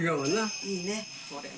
いいねこれね。